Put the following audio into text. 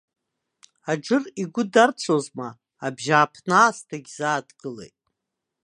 Аџыр игәы дарцәозма, абжьааԥны аасҭагь заа дгылеит.